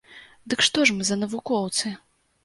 Дык што ж мы за навукоўцы?